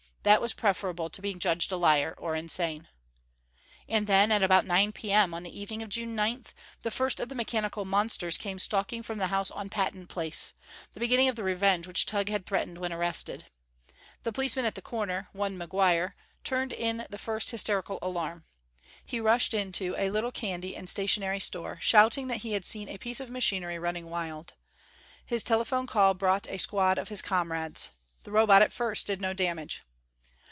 That was preferable to being judged a liar, or insane. And then, at about 9 P.M. on the evening of June 9, the first of the mechanical monsters came stalking from the house on Patton Place the beginning of the revenge which Tugh had threatened when arrested. The policeman at the corner one McGuire turned in the first hysterical alarm. He rushed into a little candy and stationery store shouting that he had seen a piece of machinery running wild. His telephone call brought a squad of his comrades. The Robot at first did no damage.